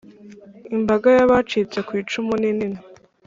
Imbaga y ‘abacitse kwicu ninini.